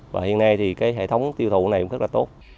và hiện nay hệ thống tiêu thụ này cũng rất là tốt